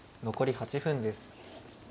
残り８分です。